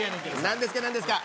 何ですか？